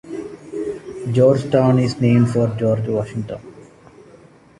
Georgetown is named for George Washington.